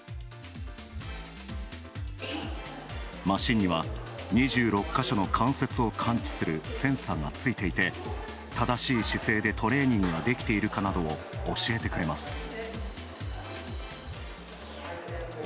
マシンには２６か所の関節を感知するセンサーがついていて、正しい姿勢でトレーニングができているかなどを教えてくれます。